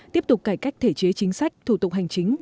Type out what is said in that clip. tiếp tục cải cách thể chế chính sách thủ tục hành chính